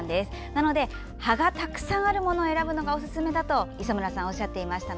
なので、葉がたくさんあるものを選ぶのがおすすめだと磯村さんはおっしゃっていました。